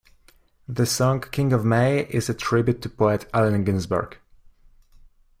The song "King of May" is a tribute to poet Allen Ginsberg.